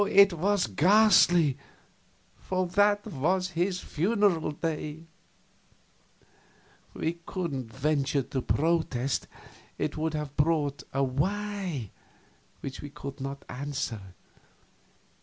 It was ghastly, for that was his funeral day. We couldn't venture to protest; it would only have brought a "Why?" which we could not answer.